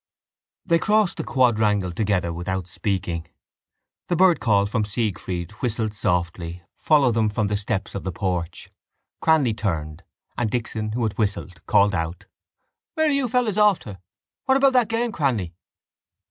They crossed the quadrangle together without speaking. The bird call from Siegfried whistled softly followed them from the steps of the porch. Cranly turned, and Dixon, who had whistled, called out: —Where are you fellows off to? What about that game, Cranly?